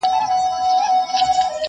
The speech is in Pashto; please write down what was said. اوس درواخلئ ساړه سیوري جنتونه،